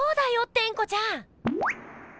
テンコちゃん！